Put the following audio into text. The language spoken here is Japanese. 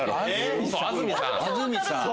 安住さん？